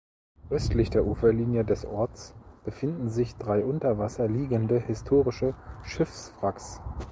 Östlich der Uferlinie des Orts befinden sich drei unter Wasser liegende historische Schiffswracks.